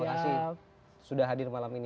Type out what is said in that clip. terima kasih sudah hadir malam ini